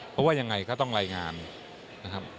เพราะว่ายังไงก็ต้องรายงานนะครับ